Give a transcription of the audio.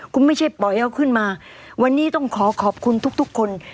คุณไม่ใช่ปล่อยเขาขึ้นมาวันนี้ต้องขอขอบคุณทุกทุกคน